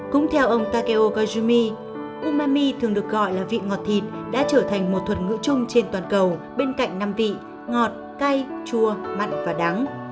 cũng theo ông takeo guajumi umami thường được gọi là vị ngọt thịt đã trở thành một thuật ngữ chung trên toàn cầu bên cạnh năm vị ngọt cay chua mặn và đáng